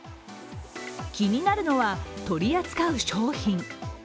気になるのは、取り扱う商品。